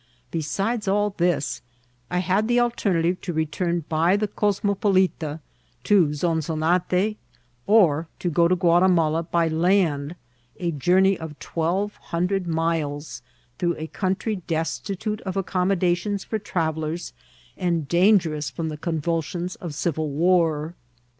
Besides all this, I had the alternative to return by the Cosmopolita to Zonzonate, or to go to Ouatimala by land, a journey of twelve hundred miles, through a coun try destitute of accommodations for travellers, and dan gerous from the convulsions of civil war.